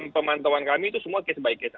pemantauan kami itu semua case by case